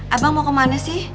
abang mau kemana sih